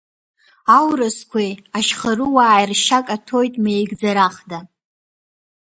Аурысқәеи ашьхаруааи ршьа каҭәоит меигӡарахда.